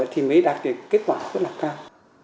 thì mới đạt kết quả rất là cao